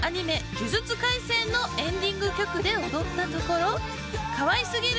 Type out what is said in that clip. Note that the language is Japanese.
『呪術廻戦』のエンディング曲で踊ったところかわいすぎる！